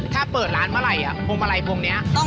ถ้าเปิดร้านมาลัยพวงมาลัยพวกนี้